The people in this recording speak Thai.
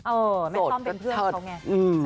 เออแม่ท่อมเป็นเพื่อนเขาไงเชิด